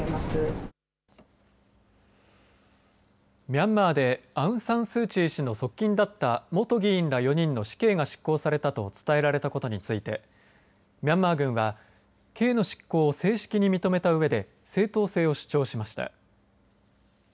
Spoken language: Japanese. ミャンマーでアウン・サン・スー・チー氏の側近だった元議員ら４人の死刑が執行されたと伝えられたことについてミャンマー軍は刑の執行を正式に認めたうえで正当性を主張しました。